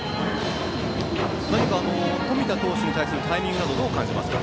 冨田投手に対するタイミングどう感じますか？